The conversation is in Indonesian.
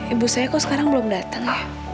ibu saya kok sekarang belum datang ya